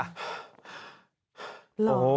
หล่อ